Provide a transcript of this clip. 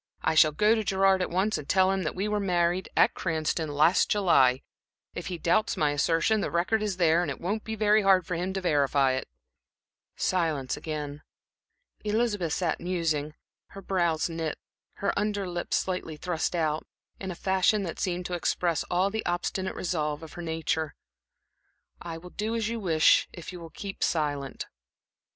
I shall go to Gerard at once and tell him that we were married at Cranston, last July. If he doubts my assertion, the record is there, and it won't be very hard for him to verify it." Silence again. Elizabeth sat musing, her brows knit, her under lip slightly thrust out, in a fashion that seemed to express all the obstinate resolve of her nature. "I will do as you wish, if you will keep silent."